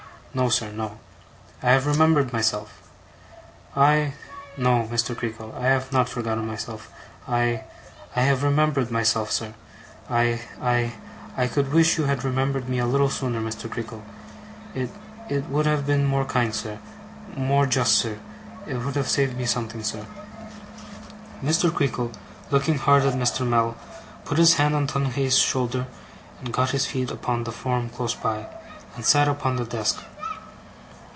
'No, sir. No. I have remembered myself, I no, Mr. Creakle, I have not forgotten myself, I I have remembered myself, sir. I I could wish you had remembered me a little sooner, Mr. Creakle. It it would have been more kind, sir, more just, sir. It would have saved me something, sir.' Mr. Creakle, looking hard at Mr. Mell, put his hand on Tungay's shoulder, and got his feet upon the form close by, and sat upon the desk.